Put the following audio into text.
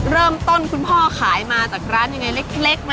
เริ่มต้นคุณพ่อขายมาจากร้านยังไงเล็กไหม